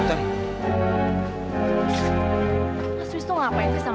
aini berhak tahu